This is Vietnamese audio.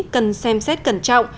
cần xem xét cẩn trọng